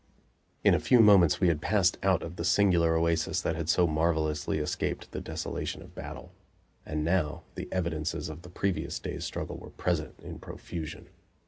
In a few moments we had passed out of the singular oasis that had so marvelously escaped the desolation of battle, and now the evidences of the previous day's struggle were present in profusion.